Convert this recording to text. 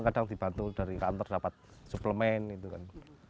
kadang dibantu dari kantor dapat suplemen gitu kan